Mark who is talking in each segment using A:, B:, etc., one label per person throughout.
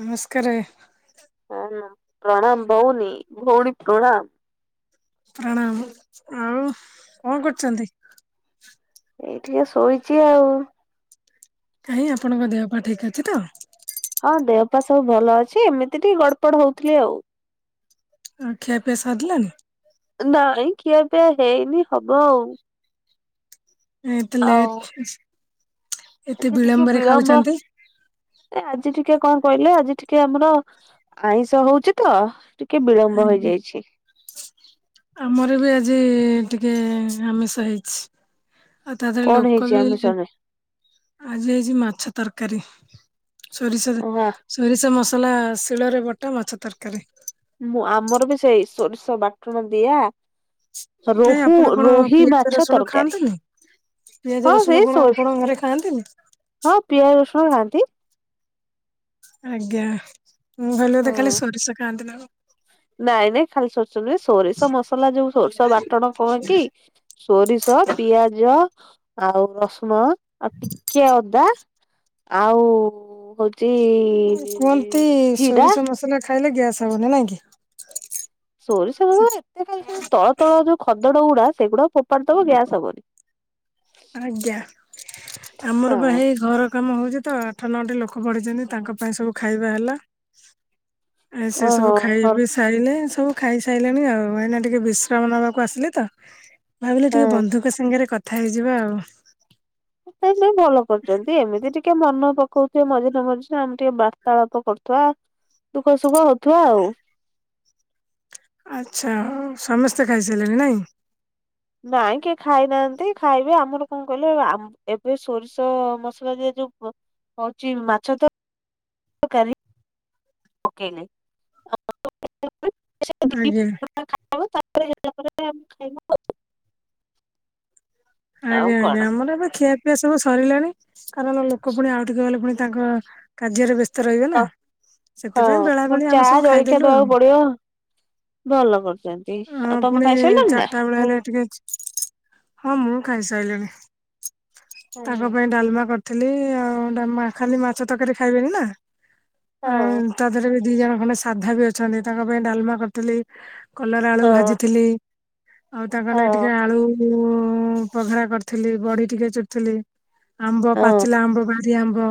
A: ନମସ୍କାରେ।
B: ହେ ନା ପ୍ରଣାମ ବଉନି ଭଉଣୀ ପ୍ରଣାମ।
A: ପ୍ରଣାମ ଆଉ କଣ କରୁଛନ୍ତି?
B: ଏଇଠି ଟିକେ ଶୋଇଛି ଆଉ।
A: [unintelligible] କାହିଁ ଆପଣଙ୍କ ଦେହ ପାଆ ଠିକ୍ ଅଛି ତ।
B: ହଁ ଦେହପାଆ ସବୁ ଭଲ ଅଛି ଏମିତି ଟିକେ ଗଡପଡ ହୋଉଥୁଲି ଆଉ।
A: ଆଉ ଖିଆ ପିଆ ସରିିଲାନି।
B: ନାଇଁ ଖିଆ ପିଆ ହେଇନି ହବ ଆଉ।
A: ନାଇଁ ଏତେ ଲେଟ୍ ଏତେ
B: ଏଥି ଟିକେ
A: ବିଳମ୍ବରେ
B: ବିଳମ୍ବ
A: ଖାଉଛନ୍ତି।
B: ଏ ଆଜି ଟିକେ କଣ କହିଲେ ଆଜି ଟିକେ ଆମର ଆଇଁଷ ହୋଉଚି ତ ଟି କେ ବିଳମ୍ବ ହୋଇଯାଇଛି।
A: ଆମର ବି ଆଜି ଟିକେ ଆମିଷ ହେଇଛି। ଆଉ ତା ଦ୍ୱାରା
B: କଣ
A: ଲୋକ
B: ହେଇଛି
A: ବି
B: ଆମିଷରେ
A: ଆଜି ହେଇଚି ମାଛ ତରକାରୀ ସୋରିଷରେ
B: ହଁ
A: ସୋରିଷ ମସଲା ଶିଳରେ ବଟା ମାଛ ତରକାରୀ।
B: ମୁଁ ଆମର ବି ସେଇ ସୋରିଷ ବାଟଣ ଦିଆ
A: ନାଇ
B: ରୋହୁ
A: ଆପଣ କଣ
B: ରୋହି
A: ପିଆଜ
B: ମାଛ
A: ରସୁଣ
B: ତରକାରୀ
A: ଖାଆନ୍ତିନି। ପିଆଜ
B: ହଁ
A: ରସୁଣ
B: ସେଇ
A: କଣ
B: ସୋରି
A: ଆପଣଙ୍କ ଘରେ ଖାଆନ୍ତିନି।
B: ହଁ ପିଆଜ ରସୁଣ ଖାଆନ୍ତି।
A: ଆଜ୍ଞା ମୁଁ ଭାବିଲି ବୋଧେ
B: ହୁଁ।
A: ଖାଲି ସୋରିଷ ଖାଆନ୍ତି ନା କ।
B: ନାଇଁ ନାଇଁ ଖାଲି ସୋରିଷ ନୁହେଁ ସୋରିଷ ମସଲା ଯୋଉ ସୋରିଷ ବାଟଣ କଣ କି ସୋରିଷ, ପିଆଜ ଆଉ ରସୁଣ ଆଉ ଟିକେ ଅଦା ଆଉ ହୋଉ
A: କୁହନ୍ତି ସୋରିଷ ମସଲା ଖାଇଲେ ଗ୍ୟାସ୍ ହବନି ନାଇଁ କି।
B: ସୋରିଷ ଏତେ କାଇଁ ଖାଇବ ତଳ ତଳ ଯୋଉ ଖଦଡାଗୁଡା ସେଗୁଡା ଫୋପାଡି ଦବ ଗ୍ୟାସ ହବନି।
A: ଆଜ୍ଞା ଆମର ପା
B: ହଁ
A: ହେଇ ଘର କାମ ହୋଉଚି ତ ଆଠ ନଅଟି ଲୋକ ପଡିଚନ୍ତି ତାଙ୍କ ପାଇଁ ସବୁ ଖାଇବା ହେଲା। ଆ
B: ଓହୋ
A: ସେସବୁ ଖାଇବା
B: ହଁ
A: ବେଶ୍। ଖାଇଲେ ସବୁ ଖାଇସାଇଲେଣି ଆଉ ଏଇନା ଟିକେ ବିଶ୍ରାମ ନେବାକୁ ଆସିଲି ତ। ଭାବିଲେ ଟିକେ ବନ୍ଧୁକ ସାଙ୍ଗରେ କଥା ହେଇଯିବା ଆଉ।
B: ନାଇଁ ନାଇଁ ଭଲ କରିଚନ୍ତି ଏମିତି ଟିକେ ମନ ପକୋଉ ଟିକେ ମଝିରେ ମଝିରେ ଆମେ ଟିକେ ବାର୍ତ୍ତାଳାପ କରୁଥୁବା ଦୁଃଖ ସୁଖ ହୋଉଥିବା ଆଉ।
A: ଆଚ୍ଛା ଆଉ ସମସ୍ତେ ଖାଇସାଇଲେଣି ନାଇଁ।
B: ନାଇଁ କିଏ ଖାଇନାହାନ୍ତି ଖାଇବେ ଆମର କଣ କହିଲେ ଆମ୍ ଏବେ ସୋରିଷ ମସଲା ଦିଆ ଯୋଉ ପ ହୋଉଚି ମାଛ ତର ତରକାରୀ କେ ନାଇଁ ଆ [unintelligible] ଖାଇଦବ
A: ଆଜ୍ଞା।
B: ତାପରେ ଯ ତାପରେ ଯାହା ଖାଇବ। ଆଉ
A: ଆଜ୍ଞା ଆଜ୍ଞା
B: କଣ
A: ଆମର ଏବେ ଖିଆପିଆ ସବୁ ସରିଲାଣି କାରଣ ଲୋକ ପୁଣି ଆଉ ଟିକେ ଗଲେ ପୁଣି ତାଙ୍କ କାର୍ଯ୍ୟରେ ବ୍ୟସ୍ତ ରହିବେ ନା
B: ହଁ
A: ସେଥିପାଇଁ ବେଳା
B: ପୁଣି
A: ବେଳି
B: ଚା
A: ଆମେ ସବୁ
B: ଜଳଖିଆ
A: ଖାଇଦେଲୁ ଆଉ।
B: ଦବାକୁ ପଡିବ ଭଲ କରୁଚନ୍ତି
A: ହଁ
B: ଆଉ ତମେ
A: ପୁଣି
B: ଖାଇସାଇଲଣି ନା?
A: ଚାରିଟା ବେଳେ ହେଲେ ଟିକେ ହଁ ମୁଁ ଖାଇସାଇଲିଣି
B: ହଁ
A: ତାଙ୍କ ପାଇଁ ଡାଲମା କର ଥିଲି ଆଉ ଡ଼ାଲମା ଖାଲି ମାଛ ତରକାରୀ ଖାଇବେନି ନା।
B: ହଁ।
A: ଆଉ ତା ଧିଅରେ ବି ଦି ଜଣ ଖଣ୍ଡେ ସାଧା ବି ଅଛନ୍ତି ତାଙ୍କ ପାଇଁ ଡାଲମା କରିଦେଲି। କଲରା ଆଳୁ
B: ହଁ
A: ଭାଜିଥିଲି ଆଉ ତାଙ୍କ ନାଗି ଟିକେ
B: ହଁ
A: ଆଳୁ ପଖାଳ କରିଥିଲି ବଡି ଟିକେ ଚୁରିଥିଲି ଆମ୍ବ ପାଚିଲା ଆମ୍ବ ବାରି ଆମ୍ବ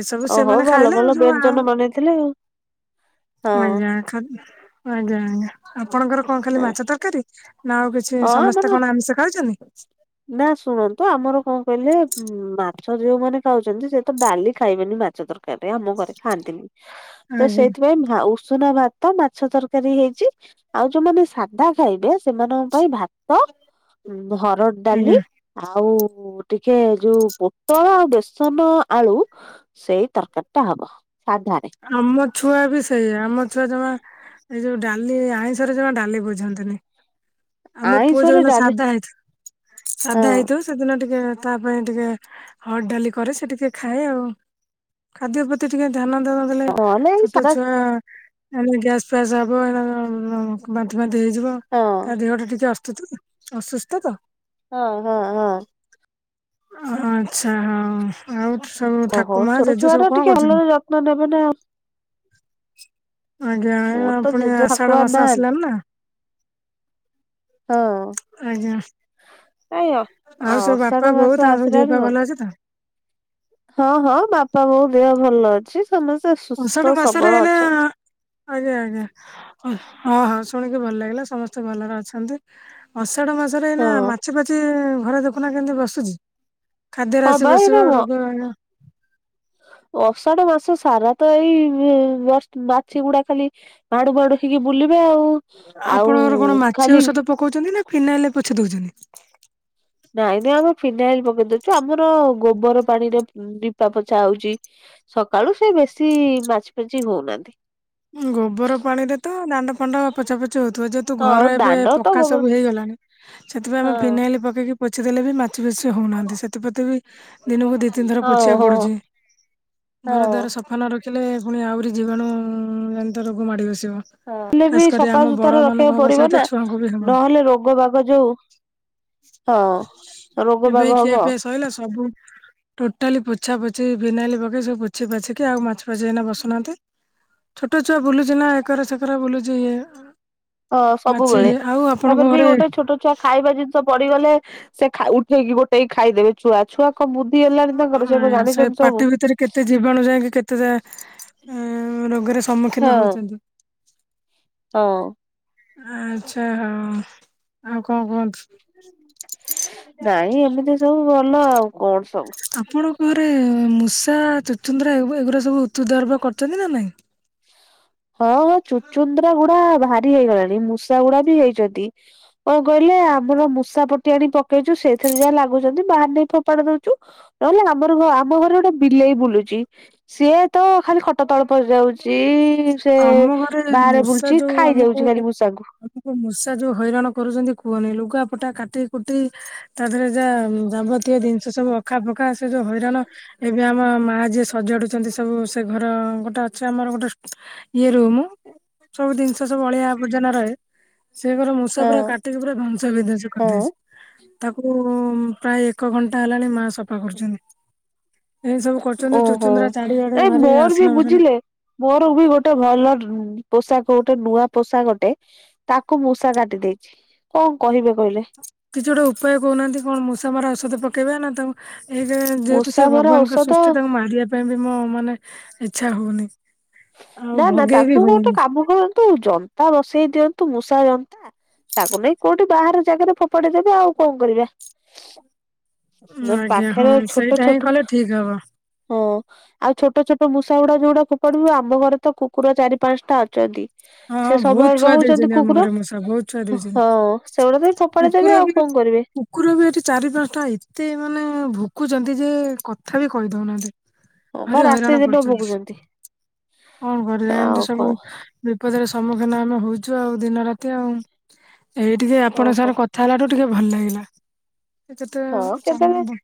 A: ଏସବୁ
B: ଓହୋ
A: ସେମାନେ
B: ଭଲ
A: ଖାଇଲେ
B: ଭଲ
A: ଆଉ ସବୁ ଆ
B: ବ୍ୟଞ୍ଜନ ବନେଇଥିଲେ ଆଉ
A: ଆଜ୍ଞା ଖା ଆଜ୍ଞା ଆଜ୍ଞା ଆପଣଙ୍କର କଣ ଖାଲି
B: ହଁ ହଁ
A: ମାଛ ତରକାରୀ ନା ଆଉ କିଛି
B: ହଁ
A: ସମସ୍ତେ
B: ଆମର
A: କଣ ଆମିଷ ଖାଉଚନ୍ତି?
B: ନା ଶୁଣନ୍ତୁ ଆମର କଣ କହିଲେ ମାଛ ଯୋଉମାନେ ଖାଉଛନ୍ତି ସେ ତ ଡାଲି ଖାଇବେନି ମାଛ ତରକାର ରେ ଆମ ଘରେ ଖାଆନ୍ତିନି। ତ
A: ଆଜ୍ଞା
B: ସେଇଥିପାଇଁ ଭା ଉ ଉସୁନା ଭାତ ମାଛ ତରକାରୀ ହେଇଚି ଆଉ ଯୋଉମାନେ ସାଧା ଖାଇବେ ସେମାନଙ୍କ ପାଇଁ ଭାତ ହରଡ଼
A: ଆଜ୍ଞା
B: ଡାଲି ଆଉ ଟିକେ ଯୋଉ ପୋଟଳ ଆଉ ବେସନ ଆଳୁ ସେଇ ତରକାରିଟା ହବ ସାଧାରେ।
A: ଆମ ଛୁଆ ବି ସେୟା ଆମ ଛୁଆ ଜମା ଏଇ ଯଉ ଡାଲି ଆଇଁଷରେ ଜମା ଡାଲି ବୁଝନ୍ତିନି। ଆମ ପୁଅ
B: ଆଇଁଷରେ
A: ଯୋଉନ
B: ଡାଲି
A: ସାଧା ହେଇଥିବ
B: ହଁ
A: ସାଧା ହେଇଥିବ ସେଦିନ ଟିକେ ତା ପାଇଁ ଟିକେ ହଅଡ ଡାଲି କରେ ସେ ଟିକେ ଖାଏ ଆଉ। ଖାଦ୍ୟ ପ୍ରତି ଟିକେ ଧ୍ୟାନ ଦବ। ଲେ
B: ନହେଲେ ଏଇ
A: ଛୋଟ
B: ସାଧା
A: ଛୁଆ ଗ୍ୟାସ ଫାସ ହବ [unintelligible] ବାନ୍ତି ଫନ୍ତି ହେଇଯିବ
B: ହଁ
A: ତା ଦେହଟା ଟିକେ ଅସ୍ତୁ ଅସୁସ୍ଥ ତ।
B: ହଁ ହଁ ହଁ।
A: ଆଚ୍ଛା ହଉ ଆଉ ସବୁ ଠାକୁ ମା ଜେଜେ ସବୁ କଣ କରୁଛନ୍ତି?
B: ମନେ ମନା ମୋର
A: ଆଜ୍ଞା
B: ତ
A: ପୁଣି
B: ଜେଜେ
A: ଆଷାଢ
B: ଠାକୁଆ
A: ମାସ
B: ନାହାନ୍ତି
A: ଆସିଲାଣିନା।
B: ହଁ।
A: ଆଜ୍ଞା
B: କାଇଁ ଅ ଆ
A: ଆଉ ସବୁ
B: ଅଷାଢ
A: ବାପା
B: ମାସ
A: ବୋଉ ତାଙ୍କ ସବୁ ଦିଅ
B: ଆସିଲାଣି
A: ପା
B: କଣ?
A: ଭଲ ଅଛି ତ?
B: ହଁ ହଁ ବାପା ବୋଉ ଦେହ ଭଲ ଅଛି। ସମସ୍ତେ
A: ଅଷାଢ
B: ସୁସ୍ଥ
A: ମାସରେ
B: ସବଳ
A: ଏଇନା
B: ଅଛନ୍ତି।
A: ଆଜ୍ଞା ଆଜ୍ଞା ହଁ ହଁ ଶୁଣିକି ଭଲ ଲାଗିଲା ସମସ୍ତେ ଭଲରେ ଅଛନ୍ତି। ଅଷାଢ ମାସରେ ଏଇନା
B: ହଁ
A: ମାଛି ପାଛି ଘର ଦେଖୁନା କେମିତି ବସୁଚି। ଖାଦ୍ୟ ରେ
B: ହଁ
A: ଆସିି
B: ବା ଏଇଟା
A: ବସିବ
B: ମ
A: ରୋଗ ବାଗ
B: ଅଷାଢ ମାସ ସାରା ତ ଏଇ ବ ମାଛି ଗୁଡା ଖାଲି ବାଡୁ ବାଡୁ ହେଇକି ବୁଲିବେ ଆଉ। ଆଉ
A: ଆପଣଙ୍କର କଣ ମାଛି
B: ଖାଲି
A: ଔଷଧ ପକାଉଛନ୍ତି ନା ଫିନାଇଲ ପୋଛି ଦଉଛନ୍ତି।
B: ନାଇଁ ନାଇ ଆମେ ଫିନାଇଲ ପକେଇ ଦେଉଚୁ ଆମର ଗୋବର ପାଣିରେ ଲିପା ପୋଛା ହଉଚି। ସକାଳୁ ସେ ବେଶି ମାଛି ପାଛି ହଉନାହାନ୍ତି।
A: ଗୋବର ପାଣିରେ ତ ଦାଣ୍ଡ ଫାଣ୍ଡ ପୋଛା ପୋଛି ହଉଥିବ। ଯ କିନ୍ତୁ
B: ହଁ
A: ଘର ଏବେ
B: ଦାଣ୍ଡ ତ
A: ପକା
B: ଗୋବର
A: ସବୁ ହେଇଗଲାଣି ସେଥିପାଇଁ ଆମେ
B: ହଁ
A: ଫିନାଇଲ ପକେଇକି ପୋଛି ଦେଲେ ବି ମା କିଛି ବେଶୀ ହଉନାହାଁନ୍ତି ସେଥିପ୍ରତି ବି ଦିନକୁ ଦୁଇ ତିନି ଥର
B: ହଁ
A: ପୋଛିବାକୁ
B: ହଁ।
A: ପଡ଼ୁଛି। ଘର
B: ହଁ।
A: ଦୁଆର ସଫା ନ ରଖିଲେ ପୁଣି ଆହୁରି ଜୀବାଣୁ ଏମି ତ ରୋଗ ମାଡି ବସିବ।
B: ହେଲେ
A: ଖାସ୍
B: ବି
A: କରି ଆମ ବଡ
B: ସଫାସୁତୁରା
A: ମାନଙ୍କୁ
B: ରଖିବାକୁ
A: ହବା
B: ପଡିବ
A: ସହିତ
B: ନା
A: ଛୁଆଙ୍କୁ ବି ହବ
B: ନହେଲେ ରୋଗ ବାଗ ଯୋଉ ହଁ ରୋଗ ବାଗ ହବ।
A: କହିଲା ସବୁ ଟୋଟାଲି ପୋଛା ପୋଛି ଭିନାଇଲି ପକେଇ ସବୁ ପୋଛି ପାଛିକି ଆଉ ମାଛ ପାଛି ଏଇନା ବସୁନାହାନ୍ତି। ଛୋଟ ଛୁଆ ବୁଲୁଛି ନା ଏକରା ସେକରା ବୁଲୁଛି ଇ
B: ଅ ସବୁବେଳେ ତାପରେ ବି
A: ଘରେ
B: ଗୋଟେ ଛୋଟ ଚା ଖାଇବା ଜିନିଷ ପଡିଗଲେ ସେ ଖା ଉଠେଇକି ଗୋଟେଇକି ଖାଇଦେବେ ଛୁଆ। ଛୁଆ କଣ ବୁଦ୍ଧି ହେଲାଣି ତାଙ୍କର ସେ କଣ
A: ସେଇ
B: ଜାଣିଛନ୍ତି ସବୁ
A: ପାଟି ଭିତରେ କେତେ ଜୀବାଣୁ ଯାଇକି କେତେ ଅ ରୋଗର
B: ହଁ
A: ସମ୍ମୁଖୀନ ହଉଛନ୍ତି।
B: ହଁ।
A: ଆଚ୍ଛା ହଉ। ଆଉ କଣ କୁହନ୍ତୁ?
B: ନାଇଁ ଏମିତି ସବୁ ଭଲ ଆଉ କଣ ସବୁ।
A: ଆପଣଙ୍କ ଘରେ ମୂଷା ଚୁଚୁନ୍ଦ୍ରା ଏଉ ଏଗୁଡା ସବୁ ଉତୁ ଦ୍ରବ କରଛନ୍ତି ନା ନାଇଁ।
B: ହଁ ହଁ ଚୁଚୁନ୍ଦ୍ରା ଗୁଡା ଭାରି ହେଇଗଲାଣି, ମୂଷା ଗୁଡା ବି ହେଇଚନ୍ତି। କଣ କହିଲେ ଆମର ମୂଷା ପଟି ଆଣି ପକେଇଚୁ, ସେଥିରେ ଯାହା ଲାଗୁଛନ୍ତି ବାହାରେ ନେଇ ଫୋପାଡ଼ି ଦଉଚୁ। ନହେଲେ ଆମର ଆମ ଘରେ ଗୋଟେ ବିଲେଇ ବୁଲୁଛି, ସିଏ ତ ଖାଲି ଖଟ ତଳେ ପଶି ଯାଉଚି। ସେ
A: ଆମ ଘରେ
B: ବାହାରେ
A: ମୂଷା
B: ବୁଲୁଛି,
A: ଯୋଉ
B: ଖାଇ
A: ଆମକୁ
B: ଯାଉଛି ଖାଲି ମୂଷାଙ୍କୁ।
A: ମୂଷା ଯୋଉ ହଇରାଣ କରୁଛନ୍ତି କୁହନି, ଲୁଗା ପଟା କାଟି କୁଟି ତା ଦେହରେ ଯା ଯାବତୀୟ ଜିନିଷ ସବୁ ଅଖା, ଫକା ସେ ଯୋଉ ହଇରାଣ ଏବେ ଆମ ମା ଯିଏ ସଜାଡୁଛନ୍ତି ସବୁ ସେ ଘର ଗୋଟେ ଅଛି ଆମର ଗୋଟେ ଇଏ ରୁମ, ସବୁ ଜିନିଷ ସବୁ ଅଳିଆ ଆବର୍ଜନା ରହେ। ସେ ଘର ମୂଷା
B: ହଁ
A: ପୁରା କାଟିକି ପୁରା ଧ୍ୱଂସ ବିଧ୍ୱଂସ
B: ହଁ।
A: କରିଦେଇଛି। ତାକୁ ପ୍ରାୟ ଏକ ଘଣ୍ଟା ହେଲାଣି ମା ସଫା କରୁଛନ୍ତି। ଏନ୍ତି ସବୁ କରୁଛନ୍ତି
B: ଓହୋ
A: ଚୁଚୁନ୍ଦ୍ରା ଚାରିଆଡ଼େ
B: ଏ
A: ଭାରି
B: ମୋର ବି
A: ଅସନା ମସନା।
B: ବୁଝିଲେ ମୋର ବି ଗୋଟେ ଭଲ ପୋଷାକ ଗୋଟେ ନୂଆ ପୋଷାକଟେ ତାକୁ ମୂଷା କାଟି ଦେଇଛି। କଣ କହିବେ କହିଲେ?
A: କିଛି ଗୋଟେ ଉପାୟ କହୁନାହାନ୍ତି? କଣ ମୂଷା ମରା ଔଷଧ ପକେଇବା ନା ତାଙ୍କୁ ଏଇ ଯେ ଯେହେତୁ
B: ମୂଷା
A: ସେ
B: ମରା
A: ଭଗବାନଙ୍କ
B: ଔଷଧ
A: ସୃଷ୍ଟି ତାଙ୍କୁ ମାରିବା ପାଇଁ ବି ମୋ ମାନେ ଇଚ୍ଛା ହଉନି। ଆଉ
B: ନା ନା
A: ଭଗେଇ ବି
B: ତାଙ୍କୁ ଗୋଟେ
A: ହଉନି।
B: କାମ କରନ୍ତୁ ଜନ୍ତା ବସେଇ ଦିଅନ୍ତୁ ମୂଷା ଜନ୍ତା ତାକୁ ନେଇ କୋଉଠି ବାହାର ଜାଗାରେ ଫୋପାଡି ଦେବେ ଆଉ କଣ କରିବେ।
A: ଆଜ୍ଞା ହଁ
B: ପାଖରେ ଛୋଟ
A: ସେଇଟା ହିଁ
B: ଛୋଟ
A: କଲେ ଠିକ ହବ।
B: ହଁ, ଆଉ ଛୋଟ ଛୋଟ ମୂଷା ଗୁଡା ଯୋଉଗୁଡା ଫୋପାଡିବୁ ଆମ ଘରେ ତ କୁକୁର ଚାରି ପାଞ୍ଚଟା ଅଛନ୍ତି।
A: ହଁ ହଁ
B: ସେ
A: ବହୁତ
B: ସବୁବେଳେ
A: ଛୁଆ
B: ରହୁଛନ୍ତି
A: ଦେଇଛନ୍ତି ଆମ
B: କୁକୁର
A: ଘରେ ମୂଷା ବହୁତ ଛୁଆ ଦେଇଛନ୍ତି
B: ହଁ ସେଗୁଡା ତ ଏଇ ଫୋ ଫୋପାଡି
A: କୁକୁର
B: ଦେବେ
A: ବି
B: ଆଉ କଣ କରିବେ।
A: କୁକୁର ବି ଏଠି ଚାରି ପାଞ୍ଚଟା ଏତେ ମାନେ ଭୁକୁଛନ୍ତି ଯେ କଥା ବି କହି ଦଉନାହାନ୍ତି।
B: ହଁ ବା
A: ଭାରି
B: ରାତି
A: ହଇରାଣ
B: ଦିନ
A: କରୁଛନ୍ତି।
B: ଭୋଗୁଛନ୍ତି
A: କଣ କରିବା, ଏମିତି
B: ଆଉ
A: ସବୁ
B: କଣ
A: ବିପଦର ସମ୍ମୁଖୀନ ଆମେ ହଉଛୁ ଆଉ ଦିନ ରାତି ଆଉ। ଏଇ ଟିକେ ଆପଣଙ୍କ
B: ଓହୋ
A: ସାଙ୍ଗରେ କଥା ହେଲାଠୁ ଟିକେ ଭଲ ଲାଗିଲା। ଯେତେ
B: ହଁ
A: ସାନ୍
B: କେତେବେଳେ
A: ବ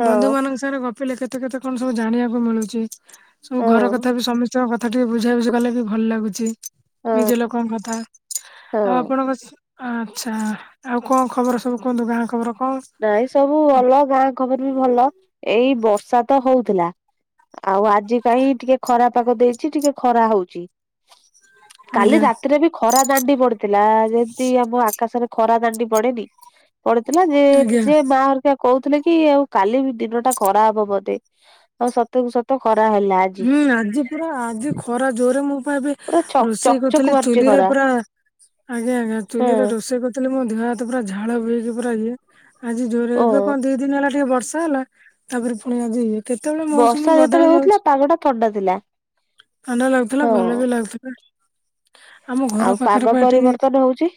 B: ହଁ
A: ବନ୍ଧୁ ମାନଙ୍କ ସାଙ୍ଗରେ ଗପିଲେ କେତେ କେତେ କଣ ସବୁ ଜାଣିବାକୁ ମିଳୁଛି, ସବୁ ଘର
B: ହଁ
A: କଥା ବି ସମିସ୍ କ କଥା ଟିକେ ବୁଝା ବୁଝି କଲେ ବି ଭଲ ଲାଗୁଛି। ନିଜ
B: ହଁ
A: ଲୋକଙ୍କ କଥା। ଆଉ
B: ହଁ
A: ଆପଣଙ୍କ ଆଚ୍ଛା, ଆଉ କଣ ଖବର ସବୁ କୁହନ୍ତୁ ଗାଁ ଖବର କଣ?
B: ନାଇଁ ସବୁ ଭଲ, ଗାଁ ଖବର ବି ଭଲ। ଏଇ ବର୍ଷା ତ ହଉଥିଲା। ଆଉ ଆଜି କାଇଁ ଟିକେ ଖରା ପାଗ ଦେଇଛି ଟିକେ ଖରା ହଉଛି। କାଲି
A: ଆଜ୍ଞା
B: ରାତିରେ ବି ଖରା ଦାଣ୍ଡି ପଡିଥିଲା ଯେମତି ଆମ ଆକାଶରେ ଖ ଖରା ଦାଣ୍ଡି ପଡେନି? ପଡ଼ିଥିଲା ଯେ
A: ଆଜ୍ଞା।
B: ଯେ ମା ହେରିକା କହୁଥିଲେ କି ଆଉ କାଲି ବି ଦିନ ଟା ଖରା ହେବ ବୋଧେ। ହଁ, ସତ କୁ ସତ ଖରା ହେଲା ଆଜି।
A: ହୁଁ, ଆଜି ପୁରା ଆଜି ଖରା ଜୋରେ। ମୁଁ ପା ଏବେ
B: ପୁରା ଚକ
A: ରୋଷେଇ
B: ଚକ
A: କରୁଥିଲି
B: ମାରୁଛି
A: ଚୁଲି ରେ
B: ଖରା।
A: ପରା, ଆଜ୍ଞା ଆଜ୍ଞା
B: ହଁ
A: ଚୁଲିରେ ରୋଷେଇ କରୁ ଥିଲି ମୋ ଦେହ ହାତ ପୁରା ଝାଳ ବୋହିକି ପୁରା ଇଏ। ଆଜି ଜୋରରେ
B: ଓ
A: ଏବେ କଣ ଦି ଦିନ ହେଲା ଟିକେ ବର୍ଷା ହେଲା ତାପରେ ପୁଣି ଆଜି ଇଏ। କେତେବେଳେ ମୌସୁମୀ
B: ବର୍ଷା ଯେତେବେଳେ
A: ବଦଳି
B: ହଉଥିଲା
A: ଯାଉଛି।
B: ପାଗ ଥଣ୍ଡା ଥିଲା।
A: ଥଣ୍ଡା ଲାଗୁଥିଲା
B: ହଁ।
A: ଭଲ ବି ଲାଗୁଥିଲା। ଆମ ଘର
B: ଆଉ
A: ପାଖରେ
B: ପାଗ
A: ପା ଏଠି
B: ପରିବର୍ତ୍ତନ ହଉଛି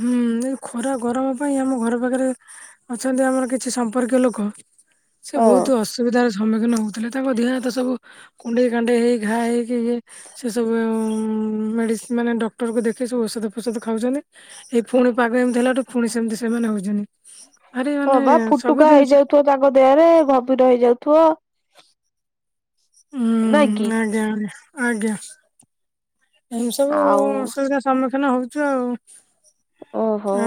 A: ହୁଁ, ଏ ଖରା ଗରମ ପାଇଁ ଆମ ଘର ପାଖରେ ଅଛନ୍ତି ଆମର କିଛି ସମ୍ପର୍କୀୟ ଲୋକ। ସେ
B: ହଁ।
A: ବହୁତ ଅସୁବିଧାର ସମ୍ମୁଖୀନ ହଉଥିଲେ ତାଙ୍କ ଦେହ ହାତ୍ ଉ କୁଣ୍ଡେଇ କାଣ୍ଡେଇ ହେଇ ଘା ହେଇକି ଇଏ ସେ ସବୁ-ଉ-ଉ-ଉ-ଉ ମେଡିସ୍ ମାନେ ଡକ୍ଟରକୁ ଦେଖେଇ ସବୁ ଔଷଧ ଫୋଷଧ ଖାଉଛନ୍ତି। ଏଇ ଫୁଣି ପାଗ ଏମିତି ହେଲାଠୁ ଫୁଣି ସେମିତି ସେମାନେ ହଉଛନ୍ତିି।
B: ହଁ ପା ଫୁଟୁକା ହେଇଯାଉଥିବ ତାଙ୍କ ଦେହରେ ଘମିର ହେଇ ଯାଉଥିବ।
A: ହୁଁ-ଉଁ ଆଜ୍ଞା-ଆଜ୍ଞା, ଆଜ୍ଞା। ଏମିତି ସବୁ
B: ଆଉ
A: ଅସୁବିଧାର ସମ୍ମୁଖୀନ ହଉଛୁ ଆଉ।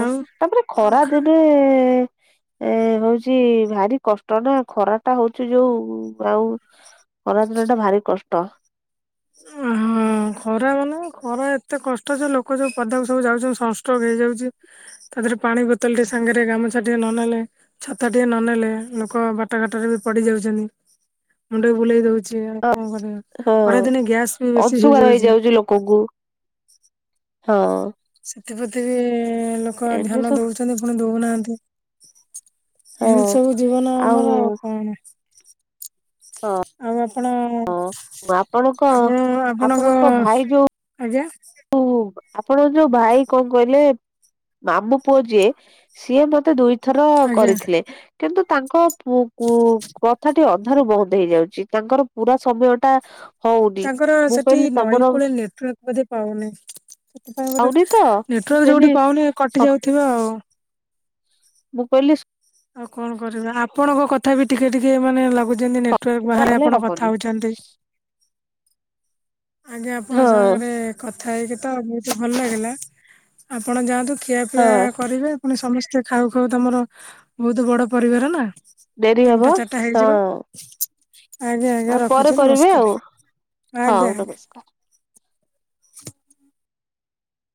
A: ଆଉ
B: ତାପରେ
A: ଆଉ
B: ଖରା
A: ଖା
B: ଦିନେ ଏ ହଉଛି ଭାରି କଷ୍ଟ ନା ଖରାଟା ହଉଚି ଯୋଉ ଆଉ ଖରା ଦିନଟା ଭାରି କଷ୍ଟ।
A: ଉଁ-ହୁଁ। ହୁଁ ଖରା ମାନେ ଖରା ଏତେ କଷ୍ଟ ଯେ ଲୋକ ଯୋଉ ପଦାକୁ ସବୁ ଯାଉଛନ୍ତି ସନ ଷ୍ଟ୍ରୋକ୍ ହେଇଯାଉଚି। ତା ଦେହରେ ପାଣି ବୋତଲଟେ ସାଙ୍ଗରେ ଗାମୁଛା ଟିକେ ନ ନେଲେ ଛତାଟିକେ ନନେଲେ ଲୋକ ବାଟଘାଟରେ ବି ପଡିଯାଉଛନ୍ତି। ମୁଣ୍ଡ ବୁଲେଇ ଦଉ ଛି, ଆଉ କଣ କରିବ ଅଢେଇ ଦିନ
B: ଅଂଶୁକାର ହେଇଯାଉଛି ଲୋକଙ୍କୁ। ହଁଅ-ଅ
A: ସେଥିପ୍ରତି ବି-ଇ-ଇ-ଇ ଲୋକ
B: ଏମିତି
A: ଧ୍ୟାନ
B: ସବୁ
A: ଦଉଛନ୍ତି, ପୁଣି ଦଉନାହାନ୍ତି।
B: ହଁ
A: ଏମିତି ସବୁ ଜୀବନ ଆମର ଆଉ କଣ। ଆଉ ଆପଣ,
B: ଆପଣଙ୍କ
A: ଆପଣ ଆପଣଙ୍କ,
B: ଭାଇ ଯୋଉ
A: ଆଜ୍ଞା?
B: [unintelligible] ଆପଣଙ୍କ ଯୋଉ ଭାଇ, କଣ କହିଲେ ମାମୁ ପୁଅ ଯିଏ, ସିଏ ମତେ ଦୁଇ ଏଥର
A: ଆଜ୍ଞା।
B: କରିଥିଲେ। କିନ୍ତୁ ତାଙ୍କ ପୁ କୁ କଥାଟି ଅଧାରୁ ବନ୍ଦ ହେଇଯାଉଚି। ତାଙ୍କର ପୁରା ସମୟଟା
A: ତାଙ୍କର ସେଠି ନଈକୂଳେ ନେଟୱାର୍କ ବୋଧେ ପାଉନି। ସେଥିପାଇଁ ବୋଧେ,
B: ପାଉନି ତ ମୁଁ
A: ନେଟୱାର୍କ
B: କହିଲି
A: ଯୋଉଠି ପାଉନି
B: ସ
A: କଟି ଯାଉଥିବ ଆଉ।
B: ମୁଁ କହିଲି ସ୍କ୍
A: ଆଉ କଣ କରିବା? ଆପଣଙ୍କ କଥା ବି ଟିକେଟିକେ ମାନେ ଲାଗୁ ଯେମିତି ନେଟୱାର୍କ ବାହାରେ
B: ତାହେଲେ
A: ଆପଣ କଥା
B: ହବନି।
A: ହଉଛନ୍ତି। ଆଜ୍ଞା ଆପଣଙ୍କ
B: ହଁ
A: ସାଙ୍ଗରେ କଥା ହେଇକି ତ ବହୁତ ଭଲ ଲାଗିଲା ଆପଣ ଯାଆନ୍ତୁ ଖିଆପିଆ
B: ହଁ।
A: କରିବେ। ପୁଣି ସମସ୍ତେ ଖାଉ ଖାଉ ତମର ବହୁତ ବଡ ପରିବାର ନା।
B: ଡେରି ହବ
A: ତିନିଟା ଚାରିଟା
B: ହଁ
A: ହେଇଯିବ।
B: ଆଉ
A: ଆଜ୍ଞା-ଆଜ୍ଞା
B: ପରେ
A: ରଖୁଛିୁ
B: କରିବେ
A: ନମସ୍କାରେ।
B: ଆଉ
A: ଆଜ୍ଞା ଆ
B: [inaudible]
A: [inaudible]